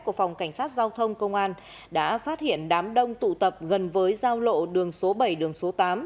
của phòng cảnh sát giao thông công an đã phát hiện đám đông tụ tập gần với giao lộ đường số bảy đường số tám